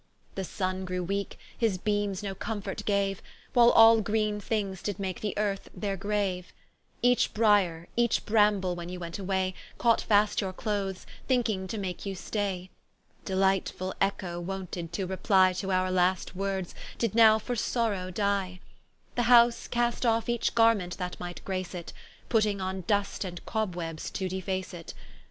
The Sunne grew weake, his beames no comfort gaue, While all greene things did make the earth their graue: Each brier, each bramble, when you went away, Caught fast your clothes, thinking to make you stay: Delightfull Eccho wonted to reply To our last words, did now for sorrow die: The house cast off each garment that might grace it, Putting on Dust and Cobwebs to deface it.